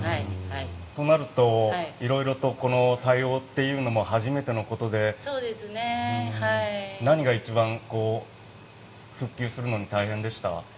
となると色々と対応というのも初めてのことで、何が一番復旧するのに大変でした？